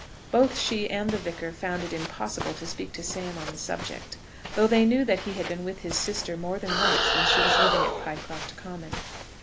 Both she and the Vicar found it impossible to speak to Sam on the subject, though they knew that he had been with his sister more than once when she was living at Pycroft Common.